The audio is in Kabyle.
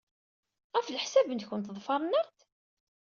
Ɣef leḥsab-nwent, ḍefren-aɣ-d?